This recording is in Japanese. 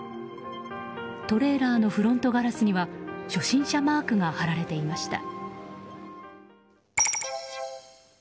トレーラーのフロントガラスには初心者マークが貼られていました。